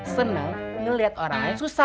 senang ngelihat orang lain susah